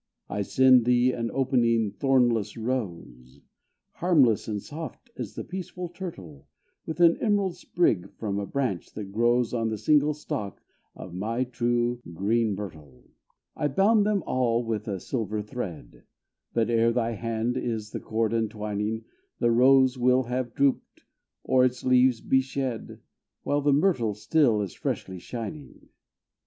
I send thee an opening, thornless rose, Harmless and soft as the peaceful turtle; With an emerald sprig from a branch that grows On the single stalk of my true green myrtle. I bound them about with a silver thread; But, ere thy hand is the cord untwining, The rose will have drooped, or its leaves be shed, While the myrtle still is freshly shining.